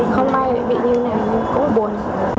không bay bị như thế này cũng buồn